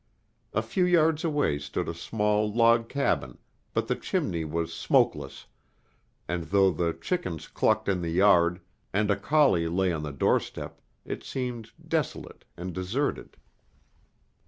A few yards away stood a small log cabin, but the chimney was smokeless, and though the chickens clucked in the yard, and a collie lay on the doorstep, it seemed desolate and deserted.